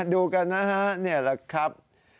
ดูกันนะครับ